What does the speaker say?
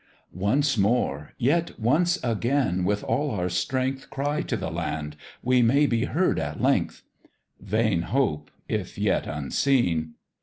"Once more, yet once again, with all our strength, Cry to the land we may be heard at length." Vain hope if yet unseen!